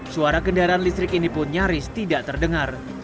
suara kendaraan listrik ini pun nyaris tidak terdengar